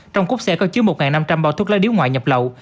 trong cốc xe có chứa một năm trăm linh bao thuốc lá điếu ngoại nhập lậu